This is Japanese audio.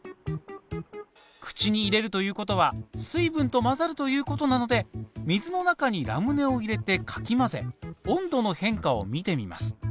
口に入れるということは水分と混ざるということなので水の中にラムネを入れてかき混ぜ温度の変化を見てみます。